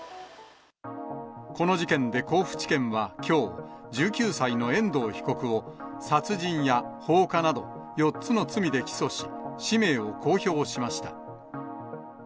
この事件で甲府地検はきょう、１９歳の遠藤被告を殺人や放火など４つの罪で起訴し、氏名を公表しました。